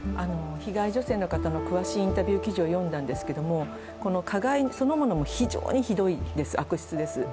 被害女性の方の詳しいインタビュー記事を読んだんですけれども、加害そのものも、非常にひどい悪質です。